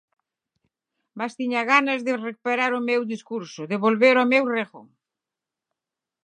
Mais tiña gañas de recuperar o meu discurso, de volver ao meu rego.